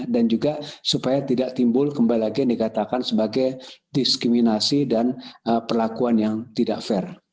dan juga supaya tidak timbul kembali lagi yang dikatakan sebagai diskriminasi dan perlakuan yang tidak adil